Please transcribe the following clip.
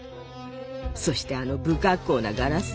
そしてあの不格好なガラス。